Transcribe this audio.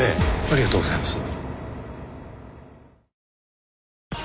ありがとうございます。